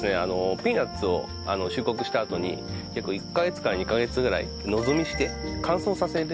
ピーナツを収穫したあとに結構１カ月か２カ月ぐらい野積みして乾燥させて。